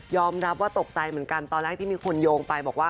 รับว่าตกใจเหมือนกันตอนแรกที่มีคนโยงไปบอกว่า